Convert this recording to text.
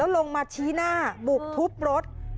ลงมาชี้หน้าบุกทุบรถ